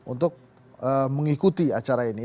untuk mengikuti acara ini